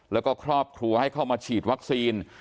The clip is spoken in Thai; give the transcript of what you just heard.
แล้วก็ครอบครัวให้เข้ามาฉีดวัคซีน